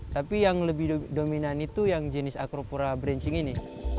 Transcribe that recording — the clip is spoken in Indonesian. tapi yang lebih dominan itu yang jenis acropora branching ini